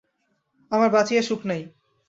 আমার বাঁচিয়া সুখ নাই।